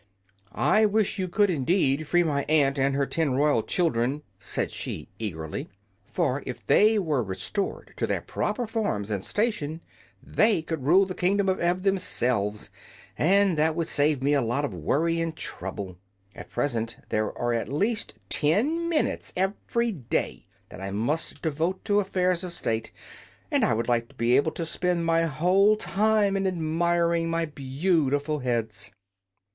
"I wish you could, indeed, free my aunt and her ten royal children," said she, eagerly. "For if they were restored to their proper forms and station they could rule the Kingdom of Ev themselves, and that would save me a lot of worry and trouble. At present there are at least ten minutes every day that I must devote to affairs of state, and I would like to be able to spend my whole time in admiring my beautiful heads."